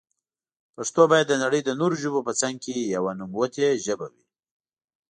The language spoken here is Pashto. پښتو بايد دنړی د نورو ژبو په څنګ کي يوه نوموتي ژبي وي.